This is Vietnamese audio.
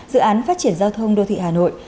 dự án phát triển giao thông đô thị hà nội